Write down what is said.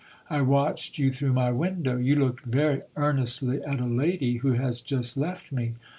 I watched you through my window. You looked very earnestly at a lady who has just left me.